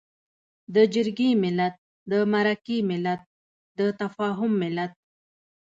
د جرګې ملت، د مرکې ملت، د تفاهم ملت.